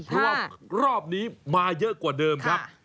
เพราะว่ารอบนี้มาเยอะกว่าเดิมครับ